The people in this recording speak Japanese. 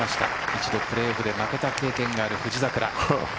一度プレーオフで負けたことのある富士桜。